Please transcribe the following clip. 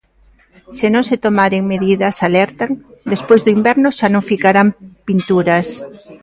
Se non se tomaren medidas, alertan, "despois do inverno xa non ficarán pinturas".